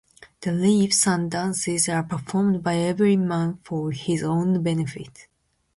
The leaps and dances are performed by every man for his own benefit.